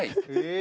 え！？